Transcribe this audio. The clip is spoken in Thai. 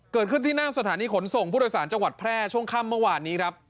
เกิดขึ้นที่หน้าสถานีขนส่งผู้โดยสารจังหวัดแพร่ช่วงค่ำเมื่อวานนี้ครับ